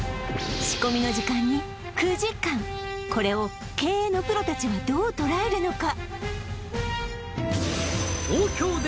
仕込みの時間に９時間これを経営のプロ達はどう捉えるのか？